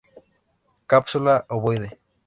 Cápsula ovoide.